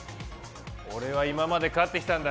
俺は今まで勝ってきたんだ！